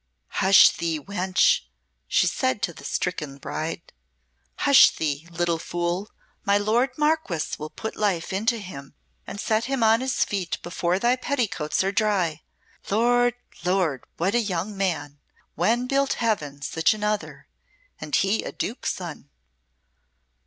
"Hush thee, wench!" she said to the stricken bride. "Hush thee, little fool; my lord Marquess will put life into him and set him on his feet before thy petticoats are dry, Lord! Lord! what a young man! When built Heaven such another? And he a Duke's son!"